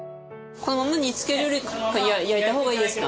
このまま煮つけよりかは焼いた方がいいですか？